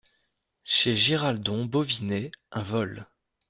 Chez Giraldon Bovinet, un vol.